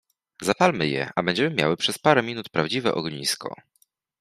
— Zapalmy je, a będziemy miały przez parę minut prawdziwe ognisko.